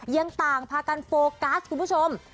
ยังต่างพากันโฟกัสคุณผู้ชม